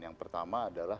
yang pertama adalah